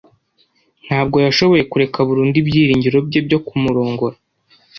[S] Ntabwo yashoboye kureka burundu ibyiringiro bye byo kumurongora.